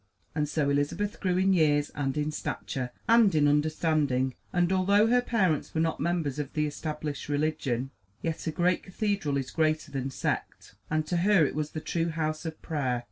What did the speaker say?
And so Elizabeth grew in years and in stature and in understanding; and although her parents were not members of the Established Religion, yet a great cathedral is greater than sect, and to her it was the true House of Prayer.